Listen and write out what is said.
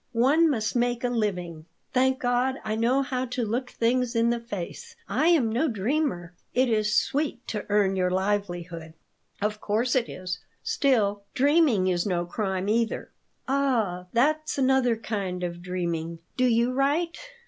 One must make a living. Thank God, I know how to look things in the face. I am no dreamer. It is sweet to earn your livelihood." "Of course it is. Still, dreaming is no crime, either." "Ah, that's another kind of dreaming. Do you write?"